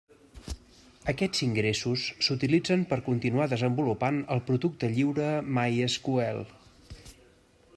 Aquests ingressos s'utilitzen per continuar desenvolupant el producte lliure MySQL.